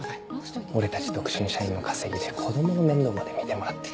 俺たち独身社員の稼ぎで子供の面倒まで見てもらって。